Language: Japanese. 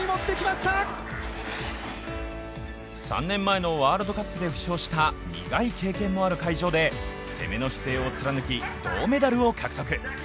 ３年前のワールドカップで負傷した苦い経験もある会場で攻めの姿勢を貫き、銅メダルを獲得